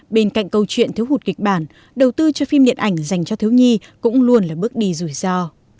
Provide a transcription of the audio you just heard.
bên cạnh câu chuyện thiếu hụt kịch bản đầu tư cho phim điện ảnh dành cho thiếu nhi cũng luôn là bước đi rủi ro